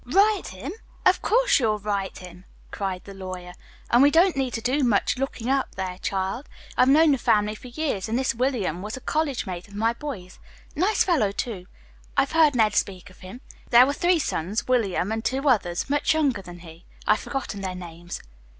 "Write him? Of course you'll write him," cried the lawyer. "And we don't need to do much 'looking up' there, child. I've known the family for years, and this William was a college mate of my boy's. Nice fellow, too. I've heard Ned speak of him. There were three sons, William, and two others much younger than he. I've forgotten their names."